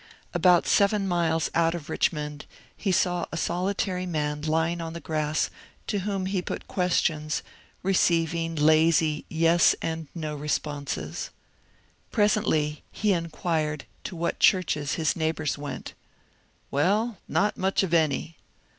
About 272 MONCURE DANIEL CONWAY seven miles out of Richmond he saw a solitary maYi lying on the grass, to whom he put questions, receiving lazy yes and no responses. Presently he inquired to what churches his neighbours went. " Well, not much of any."